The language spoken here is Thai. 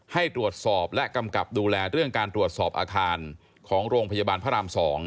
ให้ตรวจสอบและกำกับดูแลเรื่องการตรวจสอบอาคารของโรงพยาบาลพระราม๒